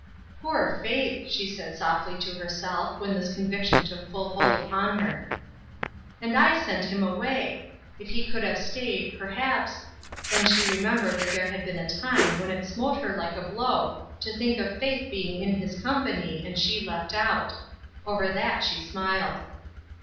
''Poor Faith!'' she said softly to herself when this conviction took full hold upon her. "And I sent him away! If he could have stayed, perhaps—" Then she remembered that there had been a time when it smote her 316 ESTER RIED'S NAMESAKE like a blow to think of Faith being in his com pany and she left out. Over that she smiled.